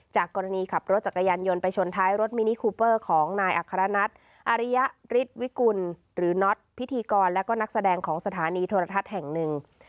กรณีขับรถจักรยานยนต์ไปชนท้ายรถมินิคูเปอร์ของนายอัครนัทอริยฤทธิวิกุลหรือน็อตพิธีกรและก็นักแสดงของสถานีโทรทัศน์แห่งหนึ่ง